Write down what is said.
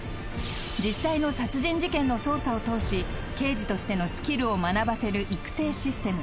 ［実際の殺人事件の捜査を通し刑事としてのスキルを学ばせる育成システム